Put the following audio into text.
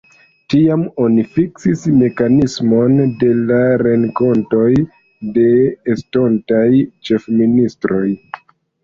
Tiam oni fiksis mekanismon de la renkontoj de estontaj ĉefministroj.